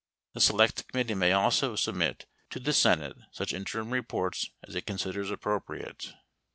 The select committee may also submit to 9 the Senate such interim reports as it considers appropriate.